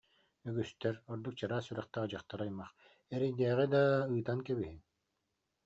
Үгүстэр, ордук чараас сүрэхтээх дьахтар аймах: «Эрэйдээҕи даа, ыытан кэбиһиҥ»